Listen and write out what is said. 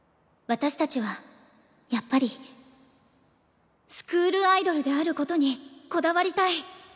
「私たちはやっぱりスクールアイドルである事にこだわりたい」。